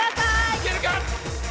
行けるか？